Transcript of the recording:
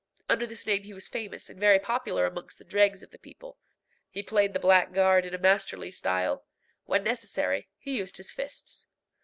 Under this name he was famous and very popular amongst the dregs of the people. He played the blackguard in a masterly style: when necessary, he used his fists.